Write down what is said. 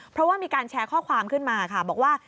เพราะว่ามีการแชร์ข้อความขึ้นมาค่ะบอกว่า